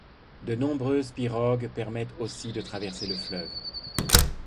De nombreuses pirogues permettent aussi de traverser le fleuve.